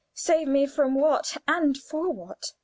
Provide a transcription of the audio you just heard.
Save me from what, and for what?